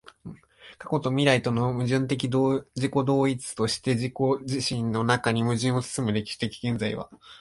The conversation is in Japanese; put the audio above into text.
過去と未来との矛盾的自己同一として自己自身の中に矛盾を包む歴史的現在は、